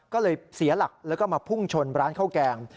ก็เลยเสียหลักแล้วก็มาพุ่งชนร้านข้าวแกง